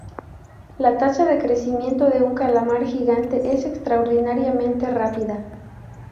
La tasa de crecimiento de un calamar gigante es extraordinariamente rápida.